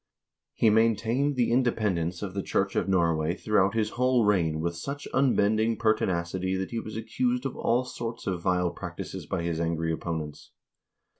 He maintained the independence of the Church of Norway throughout his whole reign with such unbending pertinacity that he was accused of all sorts of vile prac tices by his angry opponents.